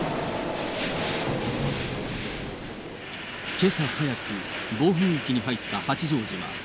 けさ早く、暴風域に入った八丈島。